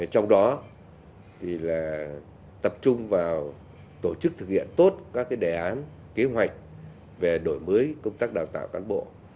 trong đó là tập trung vào tổ chức thực hiện tốt các đề án kế hoạch về đổi mới công tác đào tạo cán bộ